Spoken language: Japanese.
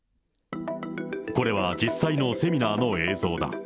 これは、実際のセミナーの映像だ。